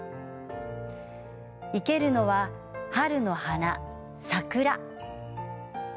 生けるのは春の花、桜。